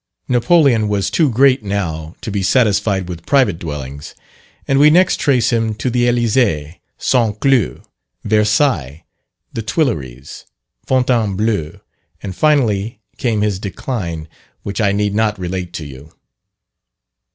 Napoleon was too great now to be satisfied with private dwellings, and we next trace him to the Elysee, St. Cloud, Versailles, the Tuileries, Fontainbleau, and finally, came his decline, which I need not relate to you.